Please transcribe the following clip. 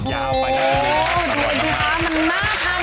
อย่าไปนะครับ